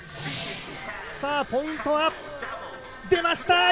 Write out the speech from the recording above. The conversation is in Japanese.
ポイントは出ました。